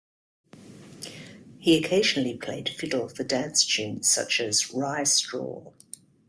He occasionally played fiddle for dance tunes such as "Rye Straw".